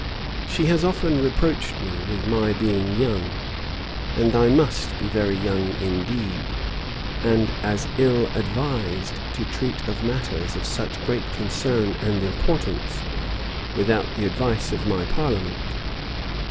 She has often reproached me with my being young; and I must be very young indeed, and as ill advised, to treat of matters of such great concern and importance without the advice of my parliament.